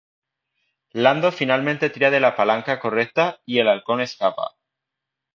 Lando finalmente tira de la palanca correcta, y el Halcón escapa.